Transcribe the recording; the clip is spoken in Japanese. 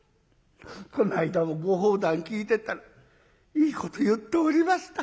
この間もご法談聞いてたらいいこと言っておりました。